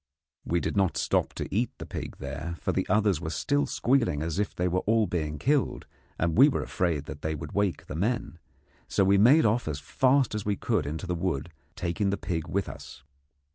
We did not stop to eat the pig there, for the others were still squealing as if they were all being killed, and we were afraid that they would wake the men; so we made off as fast as we could into the wood, taking the pig with us.